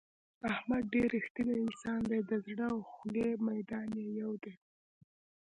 احمد ډېر رښتینی انسان دی د زړه او خولې میدان یې یو دی.